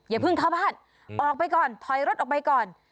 อย่าเพิ่งเข้าบ้านออกไปก่อนถอยรถออกไปก่อน